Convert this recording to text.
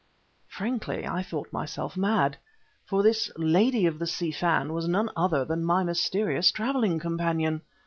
Frankly, I thought myself mad; for this "lady of the Si Fan" was none other than my mysterious traveling companion!